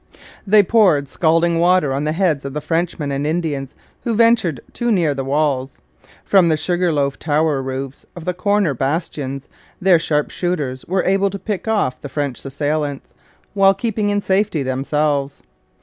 They poured scalding water on the heads of the Frenchmen and Indians who ventured too near the walls. From the sugar loaf tower roofs of the corner bastions their sharpshooters were able to pick off the French assailants, while keeping in safety themselves.